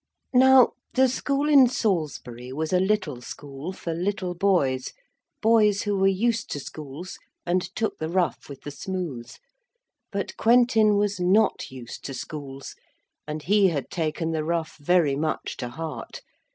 Now the school in Salisbury was a little school for little boys boys who were used to schools and took the rough with the smooth. But Quentin was not used to schools, and he had taken the rough very much to heart.